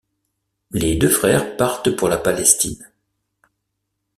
Les deux frères partent pour la Palestine.